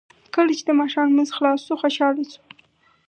کله چې د ماښام لمونځ خلاص شو خوشاله شو.